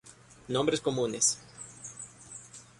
Nombres Comunes